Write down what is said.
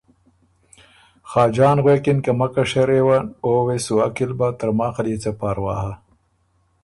خاجان غوېکِن که ”مکه شرېون او وې سو عقل بۀ ترماخ ال يې څۀ پاروا هۀ؟“